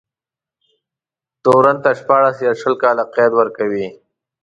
تورن ته شپاړس يا شل کاله قید ورکوي.